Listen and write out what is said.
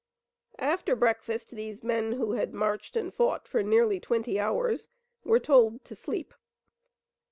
After breakfast these men who had marched and fought for nearly twenty hours were told to sleep.